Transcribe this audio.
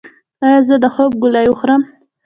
ایا زه د خوب ګولۍ وخورم؟